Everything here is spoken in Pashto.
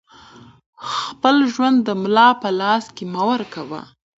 خپل ژوند د ملا په لاس کې مه ورکوه